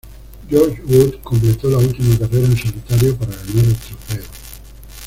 George Wood completó la última carrera en solitario para ganar el trofeo.